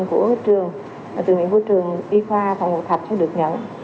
của trường tình nguyện của trường y khoa và ngục thạch sẽ được nhận